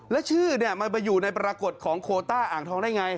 แล้วชื่อมันไปอยู่ในปรากฏของโคต้าอ่างทองได้ไง